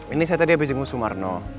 ini saya tadi habis jengu sumarno